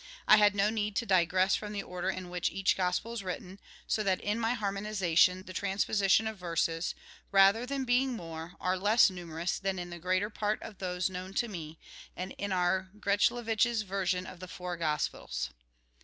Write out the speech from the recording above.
I had no need to digress from the order in which each Gospel is written, so that in my harmonisation the transposition of verses, rather than being more, are less numerous than in the greater part of those known to me, and in our Grechoulevitch's version of the four Gospels.